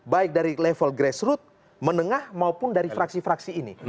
baik dari level grassroot menengah maupun dari fraksi fraksi ini